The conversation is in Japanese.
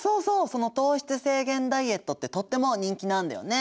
その糖質制限ダイエットってとっても人気なんだよね。